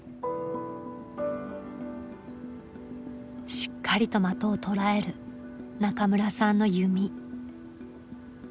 しっかりと的を捉える中村さんの弓。